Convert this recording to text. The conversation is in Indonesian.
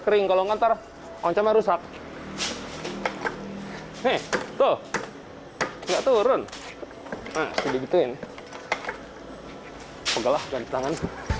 oncom harus ap dua nggak turun nah jadi gituin pegalah gantangan